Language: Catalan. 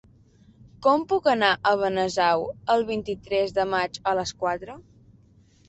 Com puc anar a Benasau el vint-i-tres de maig a les quatre?